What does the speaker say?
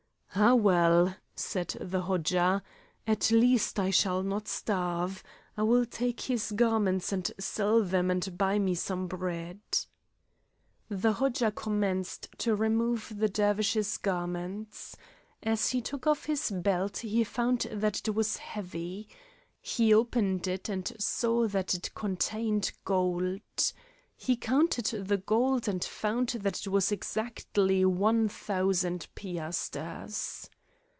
"Ah, well," said the Hodja, "at least I shall not starve. I will take his garments and sell them and buy me some bread." The Hodja commenced to remove the Dervish's garments. As he took off his belt he found that it was heavy. He opened it, and saw that it contained gold. He counted the gold and found that it was exactly one thousand piasters.